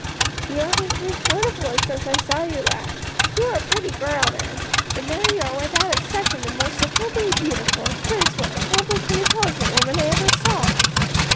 "You have improved wonderfully since I saw you last: you were a pretty girl then, but now you are without exception the most superbly beautiful, graceful, accomplished, and intelligent woman I ever saw."